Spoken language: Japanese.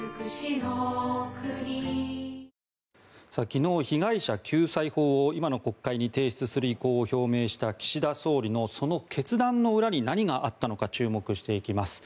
昨日、被害者救済法を今の国会に提出する意向を表明した岸田総理のその決断の裏に何があったのか注目していきます。